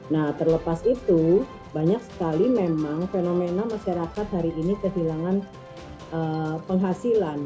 nah terlepas itu banyak sekali memang fenomena masyarakat hari ini kehilangan penghasilan